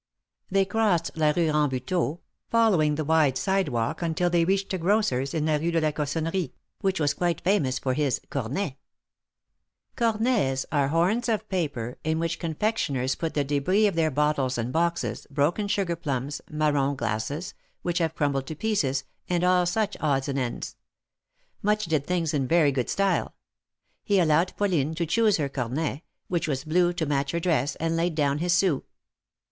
They crossed la Rue Rambuteau, following the wide sidewalk until they reached a grocer's in la Rue de la Cossonerie, which was quite famous for his cornets. Cornets are horns of paper, in which confectioners put the debris of their bottles and boxes, broken sugar plums, marrons glaces, which have crumbled to pieces, and all such o<lds and ends. Much did things in very good style. He allowed Pauline to choose her cornet, which was blue to match her dress, and laid down his sou.